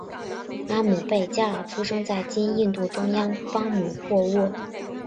阿姆倍伽尔出生在今印度中央邦姆霍沃。